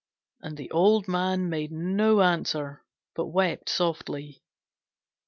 And the old man made no answer, but wept softly.